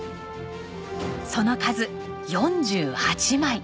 その数４８枚。